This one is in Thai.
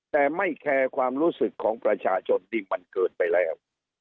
แต่ไม่แคร์ความรู้สึกของประชาชนที่มันเกินไปแล้ว